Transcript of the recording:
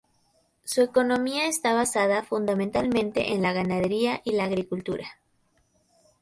Su economía está basada fundamentalmente en la ganadería y agricultura.